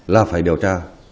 là phải điều tra